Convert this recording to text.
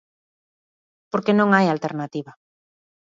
Porque non hai alternativa.